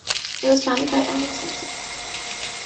It was founded by Alex Lindsay.